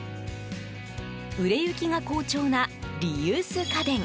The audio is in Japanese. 売れ行きが好調なリユース家電。